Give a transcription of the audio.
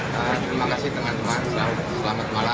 terima kasih teman teman selamat malam